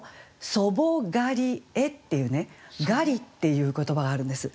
「祖母がりへ」っていうね「がり」っていう言葉があるんです。